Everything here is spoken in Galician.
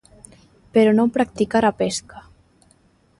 Pero non practicar a pesca.